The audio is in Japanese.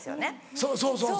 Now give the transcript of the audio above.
そうそうそう。